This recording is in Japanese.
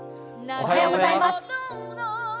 おはようございます。